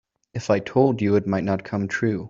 If I told you it might not come true.